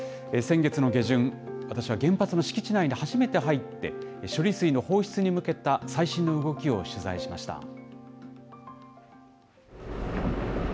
先月の下旬、私は原発の敷地内に初めて入って、処理水の放出に向けた最新の動きを取材しました。